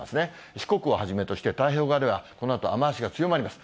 四国をはじめとして、太平洋側ではこのあと雨足が強まります。